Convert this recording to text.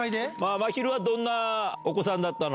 まひるはどんなお子さんだったの？